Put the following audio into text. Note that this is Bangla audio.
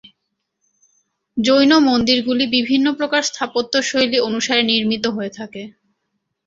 জৈন মন্দিরগুলি বিভিন্ন প্রকার স্থাপত্যশৈলী অনুসারে নির্মিত হয়ে থাকে।